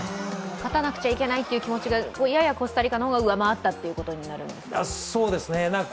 勝たなくちゃいけないという気持ちが、ややコスタリカの方が上回ったということですか？